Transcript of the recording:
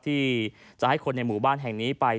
ที่จะให้คนในหมู่บ้านแห่งนี้ไป